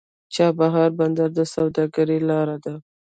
چابهار بندر د سوداګرۍ لار ده.